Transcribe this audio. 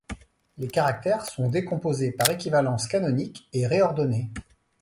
Les caractères sont décomposés par équivalence canonique et réordonnés.